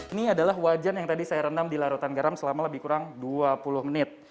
ini adalah wajan yang tadi saya rendam di larutan garam selama lebih kurang dua puluh menit